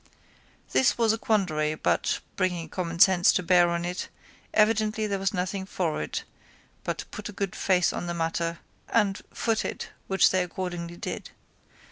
This was a quandary but, bringing common sense to bear on it, evidently there was nothing for it but put a good face on the matter and foot it which they accordingly did.